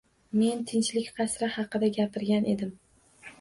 Men Tinchlik qasri haqida gapirgan edim